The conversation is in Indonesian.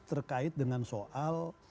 terkait dengan soal